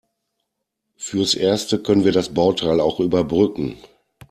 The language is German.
Fürs Erste können wir das Bauteil auch überbrücken.